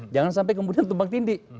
jangan sampai kemudian tumpang tindi